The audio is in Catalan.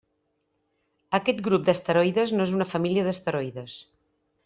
Aquest grup d'asteroides no és una família d'asteroides.